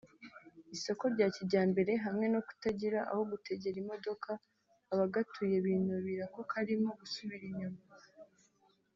isoko rya Kijyambere hamwe no kutagira aho gutegera imodoka abagatuye binubira ko karimo gusubira inyuma